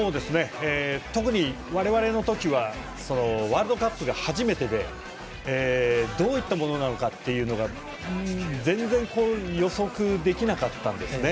特に我々のときはワールドカップが初めてでどういったものなのか全然、予測できなかったんですね。